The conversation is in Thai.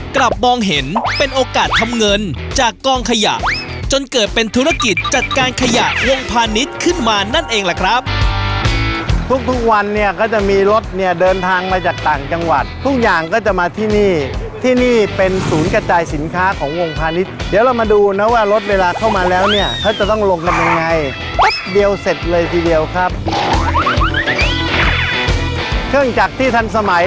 เจ้าของร้านทุกคนคนนี้เลยนะคะคือคุณรติการพี่สูดเสียงหรือพี่กิ่งนะ